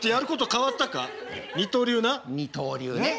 二刀流ねえ。